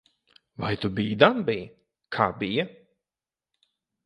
Vai tu biji dambī? Kā bija?